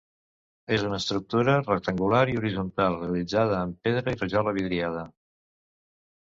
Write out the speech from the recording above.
És una estructura rectangular i horitzontal realitzada amb pedra i rajola vidriada.